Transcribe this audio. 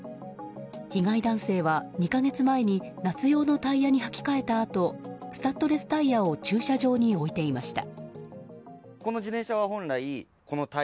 被害男性は、２か月前に夏用のタイヤにはき替えたあとスタッドレスタイヤを駐車場に置いていました。